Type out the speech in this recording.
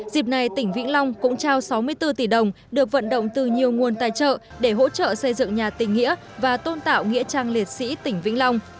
dịp này tỉnh vĩnh long cũng trao sáu mươi bốn tỷ đồng được vận động từ nhiều nguồn tài trợ để hỗ trợ xây dựng nhà tình nghĩa và tôn tạo nghĩa trang liệt sĩ tỉnh vĩnh long